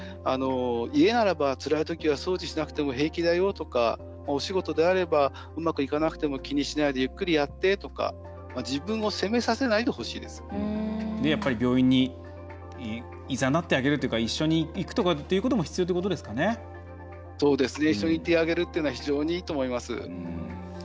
家ならば、つらいときは掃除しなくても平気だよとかお仕事であればうまくいかなくても気にしないでゆっくりやってとか病院にいざなってあげるというか一緒に行くということも一緒に行ってあげるというのは非常にいいと思います。